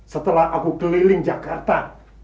setelah aku keliling jakarta